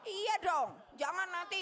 iya dong jangan nanti